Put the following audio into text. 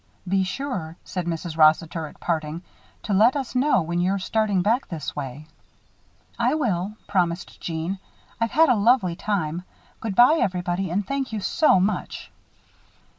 "Be sure," said Mrs. Rossiter, at parting, "to let us know when you're starting back this way." "I will," promised Jeanne. "I've had a lovely time. Good by, everybody, and thank you so much."